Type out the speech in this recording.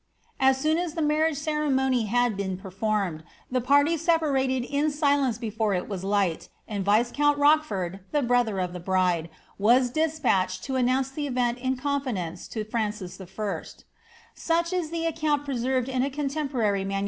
^ As soon as the marriage ceremony liad been performed, the parties separated in silence before it was light, and viscount Rochford, the brother of the bride, was despatched to announce the event in confi dence to Francis I. Such is the account preserved in a contemporary MS.